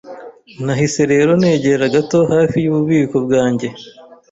Nahise rero negera gato hafi yububiko bwanjye